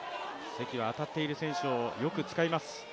関は当たっている選手を、よく使います。